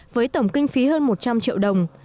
với tổng kinh phí hơn một trăm linh triệu đồng